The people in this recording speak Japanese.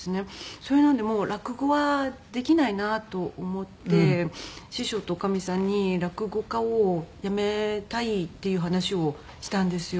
それなのでもう落語はできないなと思って師匠と女将さんに落語家を辞めたいっていう話をしたんですよ。